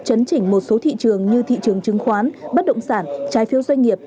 chấn chỉnh một số thị trường như thị trường chứng khoán bất động sản trái phiếu doanh nghiệp